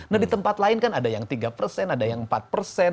nah di tempat lain kan ada yang tiga persen ada yang empat persen